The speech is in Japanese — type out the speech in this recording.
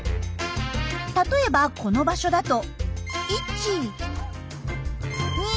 例えばこの場所だと。